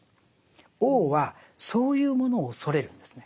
王はそういうものを恐れるんですね。